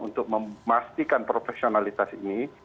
untuk memastikan profesionalitas ini